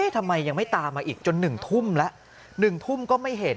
ทำไมยังไม่ตามมาอีกจน๑ทุ่มแล้ว๑ทุ่มก็ไม่เห็น